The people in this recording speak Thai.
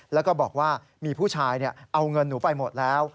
แล้วก็บอกว่ามีผู้ชายเอาเงินหนูไปหมดแล้ว